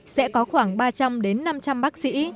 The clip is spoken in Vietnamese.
sẽ có khoảng ba trăm linh đến năm trăm linh bác sĩ